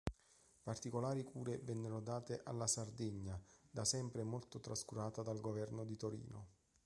Particolari cure vennero date alla Sardegna, da sempre molto trascurata dal governo di Torino.